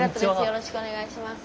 よろしくお願いします。